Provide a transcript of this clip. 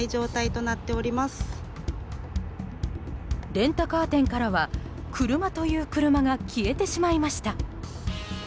レンタカー店からは、車という車が消えてしまいました。